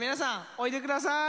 おいでください？